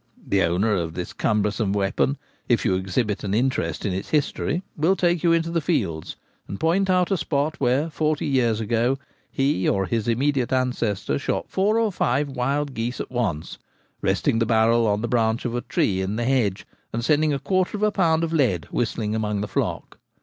The owner of this cumbrous weapon, if you exhibit an interest in its history, will take you into the fields and point out a spot where forty years ago he or his immediate ancestor shot four or five wild geese at once, resting the barrel on the branch of a tree in the hedge and sending a quarter of a pound of lead whistling among the flock.